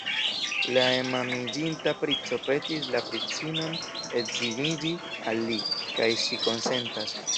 La enamiĝinta princo petis la princinon edziniĝi al li, kaj ŝi konsentas.